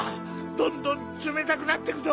どんどんつめたくなってくぞ。